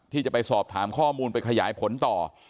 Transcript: ที่จะไปสอบถามข้อมูลไปขยายผลต่อ